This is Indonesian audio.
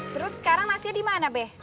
terus sekarang nasinya dimana beh